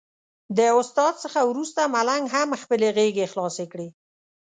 د استاد څخه وروسته ملنګ هم خپلې غېږې خلاصې کړې.